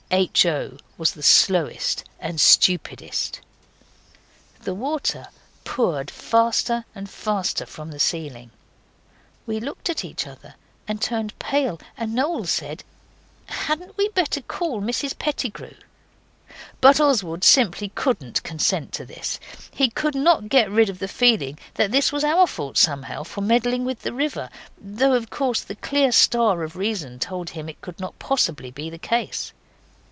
H. O. was the slowest and stupidest. The water poured faster and faster from the ceiling. We looked at each other and turned pale, and Noel said 'Hadn't we better call Mrs Pettigrew?' But Oswald simply couldn't consent to this. He could not get rid of the feeling that this was our fault somehow for meddling with the river, though of course the clear star of reason told him it could not possibly be the case.